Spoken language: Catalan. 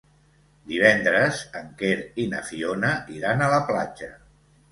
Divendres en Quer i na Fiona iran a la platja.